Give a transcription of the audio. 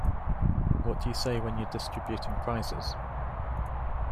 What do you say when you're distributing prizes?